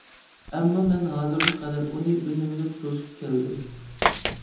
ئەمما مەن ھازىرغا قەدەر ئۇنى ئۈنۈملۈك توسۇپ كەلدىم.